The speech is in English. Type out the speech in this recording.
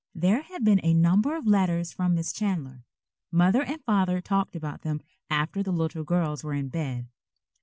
There had been a number of letters from Miss Chandler. Mother and Father talked about them after the little girls were in bed.